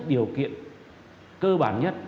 điều kiện cơ bản nhất